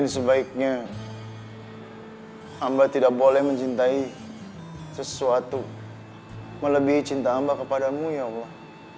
yang amba yakin itu sudah termasuk fitnah ya allah